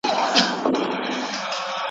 ژوند ریښتونی ژوند جدي دی دلته قبر هدف نه دی `